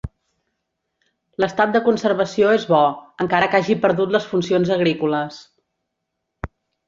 L'estat de conservació és bo, encara que hagi perdut les funcions agrícoles.